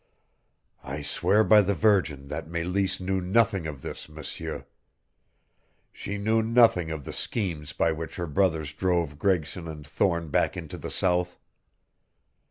I swear by the Virgin that Meleese knew nothing of this, M'seur. She knew nothing of the schemes by which her brothers drove Gregson and Thorne back into the South.